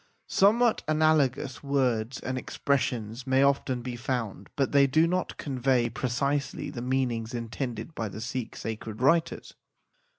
Somewhat analogous words and ex pressions may often be found, but they do not con vey precisely the meanings intended by the Sikh sacred writers.